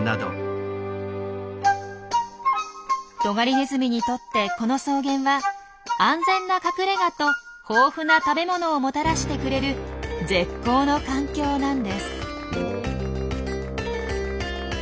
トガリネズミにとってこの草原は安全な隠れがと豊富な食べ物をもたらしてくれる絶好の環境なんです。